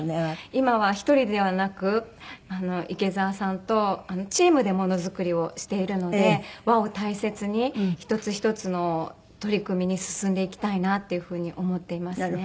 今は１人ではなく池澤さんとチームでものづくりをしているので和を大切に一つ一つの取り組みに進んでいきたいなっていう風に思っていますね。